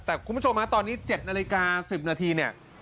แต่คุณผู้ชมฮะตอนนี้๗นาฬิกา๑๐นาทีเนี่ย